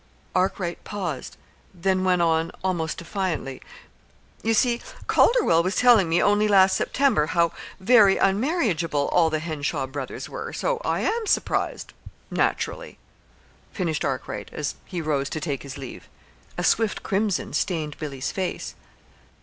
Arkwright paused, then went on almost defiantly. "You see, Calderwell was telling me only last September how very unmarriageable all the Henshaw brothers were. So I am surprised naturally," finished Arkwright, as he rose to take his leave. A swift crimson stained Billy's face.